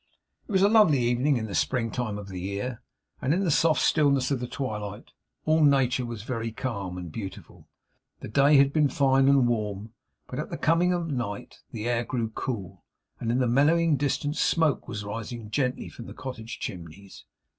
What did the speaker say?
It was a lovely evening in the spring time of the year; and in the soft stillness of the twilight, all nature was very calm and beautiful. The day had been fine and warm; but at the coming on of night, the air grew cool, and in the mellowing distance smoke was rising gently from the cottage chimneys.